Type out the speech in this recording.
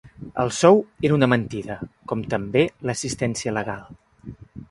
El sou era una mentida, com també l’assistència legal.